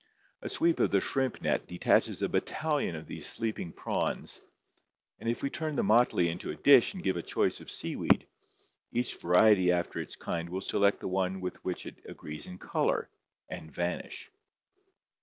A sweep of the shrimp net detaches a battalion of these sleeping prawns, and if we turn the motley into a dish and give a choice of seaweed, each variety after its kind will select the one with which it agrees in color, and vanish.